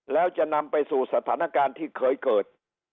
แล้วจะนำไปสู่สถานการณ์ที่เคยเกิด